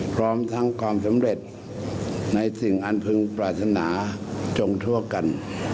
พร้อมทั้งความสำเร็จในสิ่งอันพึงปรารถนาจงทั่วกัน